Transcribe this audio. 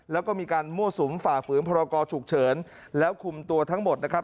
แล้วก็มีการมั่วสุมฝ่าฝืนพรกรฉุกเฉินแล้วคุมตัวทั้งหมดนะครับ